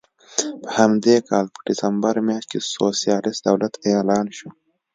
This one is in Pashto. په همدې کال په ډسمبر میاشت کې سوسیالېست دولت اعلان شو.